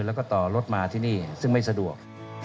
แล้วก็ต่อรถมาที่นี่ซึ่งไม่สะดวก